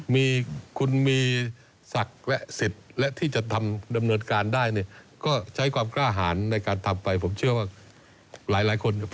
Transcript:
มีคุณมีศักดิ์และสิทธิ์และที่จะทำดำเนินการได้เนี่ยก็ใช้ความกล้าหารในการทำไปผมเชื่อว่าหลายคน